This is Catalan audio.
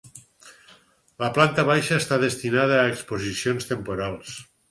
La planta baixa està destinada a exposicions temporals.